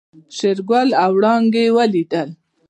شېرګل او وړانګې ودرېدل.